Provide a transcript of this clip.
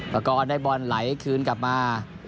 ก็ก้อนได้บอลไหลคืนกลับมา